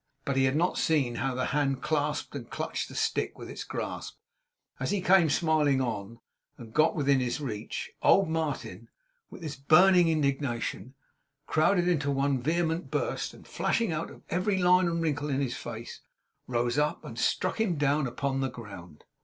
But he had not seen how the hand clasped and clutched the stick within its grasp. As he came smiling on, and got within his reach, old Martin, with his burning indignation crowded into one vehement burst, and flashing out of every line and wrinkle in his face, rose up, and struck him down upon the ground.